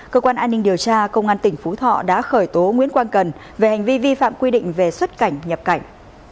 cơ quan an ninh điều tra công an tỉnh phú thọ đã khởi tố nguyễn quang cần về hành vi vi phạm quy định về xuất cảnh nhập cảnh